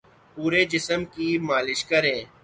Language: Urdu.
پورے جسم کی مالش کریں